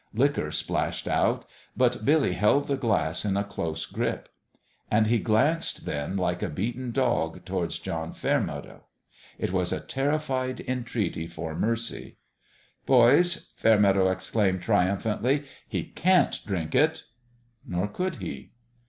Liquor splashed out ; but Billy held the glass in a close grip. And he glanced, then, like a beaten dog, towards John Fairmeadow. It was a terrified entreaty for mercy. 310 A MIRACLE at PALE PETER'S " Boys," Fairmeadow exclaimed, triumphantly, " he can't drink it !" Nor could he.